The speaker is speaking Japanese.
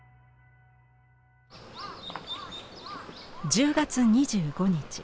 １０月２５日。